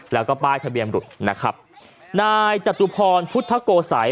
แล้วก็ป้ายทะเบียนหลุดนะครับนายจตุพรพุทธโกสัย